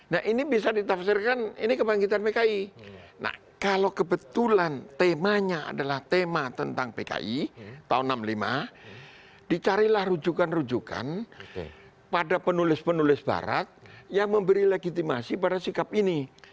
nah ini bisa ditafsirkan ini kebangkitan pki nah kalau kebetulan temanya adalah tema tentang pki tahun seribu sembilan ratus enam puluh lima dicarilah rujukan rujukan pada penulis penulis barat yang memberi legitimasi pada sikap ini